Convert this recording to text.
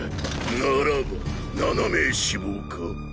ならば７名死亡か？